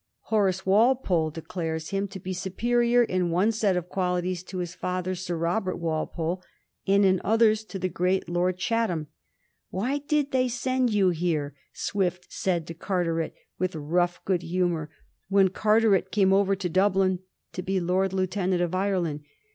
Horace Walpole declares him to be superior in one set of qualities to his father, Sir Robert Walpole, and in others to the great Lord Chatham. 'Why did they send you here?' Swift said to Carteret with rough good humour when Carteret came over to Dublin to be Lord Lieutenant of Ireland.